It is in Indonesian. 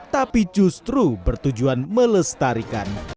tapi justru bertujuan melestarikan